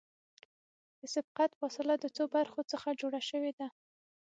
د سبقت فاصله د څو برخو څخه جوړه شوې ده